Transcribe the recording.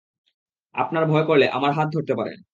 আপনার ভয় করলে, আমার হাত ধরতে পারেন।